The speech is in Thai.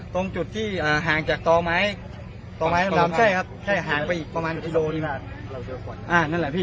ทั้งสี่คนนะฉันได้ยินแล้วฉันได้ยินฉันได้ยินแล้วนะครับ